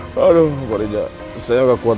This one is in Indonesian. saya agak kuat dah saya ngantuk banget